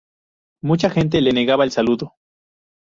Mucha gente le negaba el saludo.